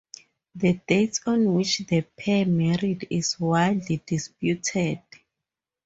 The dates on which the pair married is widely disputed.